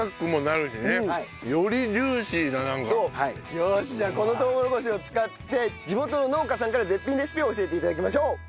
よーしじゃあこのとうもろこしを使って地元の農家さんから絶品レシピを教えて頂きましょう。